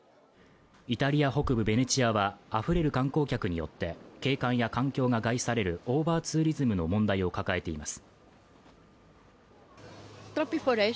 イタリア北部ベネチアはあふれる観光客によって、景観や環境が害されるオーバーツーリズムの問題を抱えています。